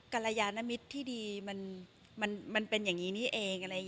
กรยานมิตรที่ดีมันเป็นอย่างนี้นี่เอง